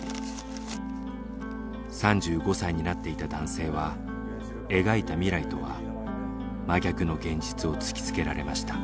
３５歳になっていた男性は描いた未来とは真逆の現実を突きつけられました。